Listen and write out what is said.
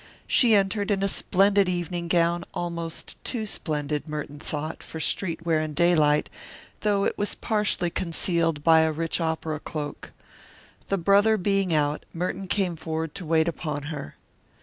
She entered in a splendid evening gown, almost too splendid, Merton thought, for street wear in daylight, though it was partially concealed by a rich opera cloak. The brother being out, Merton came forward to wait upon her.